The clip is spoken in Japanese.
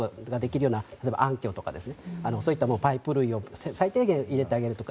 例えば暗渠とかそういったパイプ類を最低限入れてあげるとか